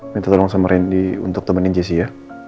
minta tolong sama randy untuk temenin gc ya